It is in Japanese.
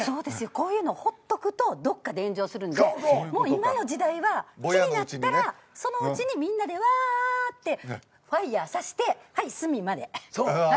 こういうのほっとくとどっかで炎上するんで今の時代は気になったらそのうちにみんなでわってファイヤーさせてはい炭まで。